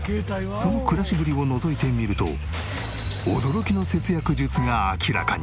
その暮らしぶりをのぞいてみると驚きの節約術が明らかに！